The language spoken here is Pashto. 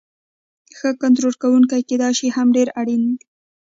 ښه کنټرول کوونکی کیدل هم ډیر اړین دی.